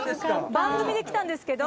番組で来たんですけど。